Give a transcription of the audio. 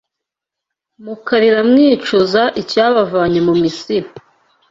mukarira mwicuza icyabavanye mu Misiri.’ ”